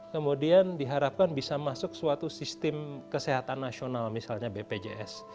kemudian diharapkan bisa masuk suatu sistem kesehatan nasional misalnya bpjs